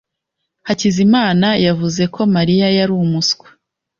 Hakizimana yavuze ko Mariya yari umuswa.